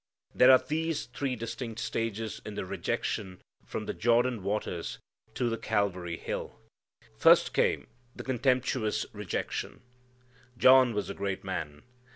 There are these three distinct stages in the rejection from the Jordan waters to the Calvary Hill. First came the contemptuous rejection. John was a great man.